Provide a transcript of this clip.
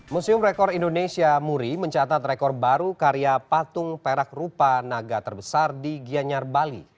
museum rekor indonesia muri mencatat rekor baru karya patung perak rupa naga terbesar di gianyar bali